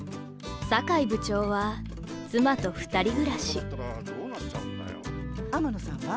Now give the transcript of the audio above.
坂井部長は妻と２人暮らし天野さんは？